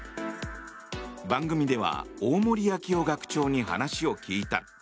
番組では大森昭生学長に話を聞いた。